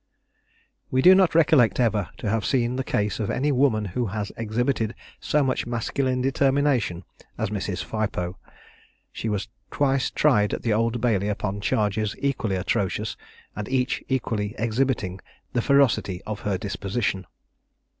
We do not recollect ever to have seen the case of any woman who has exhibited so much masculine determination as Mrs. Phipoe. She was twice tried at the Old Bailey upon charges equally atrocious, and each equally exhibiting the ferocity of her disposition.